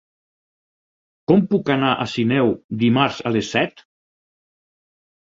Com puc anar a Sineu dimarts a les set?